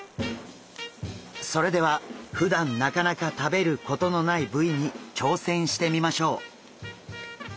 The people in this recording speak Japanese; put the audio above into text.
それではふだんなかなか食べることのない部位に挑戦してみましょう！